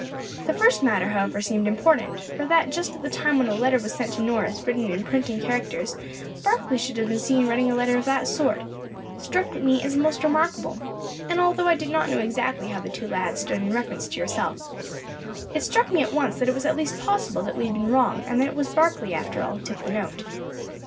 The first matter, however, seemed important, for that just at the time when a letter was sent to Norris written in printing characters Barkley should have been seen writing a letter of that sort, struck me as most remarkable; and although I did not know exactly how the two lads stood in reference to yourself, it struck me at once that it was at least possible that we had been wrong, and that it was Barkley after all who took the note.